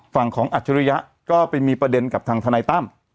ฝั่งของอัจฉริยะก็ไปมีประเด็นกับทางทนายตั้ม